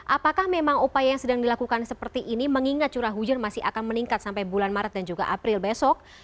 apakah memang upaya yang sedang dilakukan seperti ini mengingat curah hujan masih akan meningkat sampai bulan maret dan juga april besok